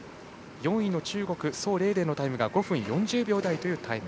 ４位の中国、宋玲玲のタイムが５分４０秒台というタイム。